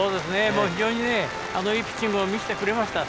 非常にいいピッチングを見せてくれました。